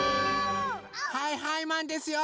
はいはいマンですよ！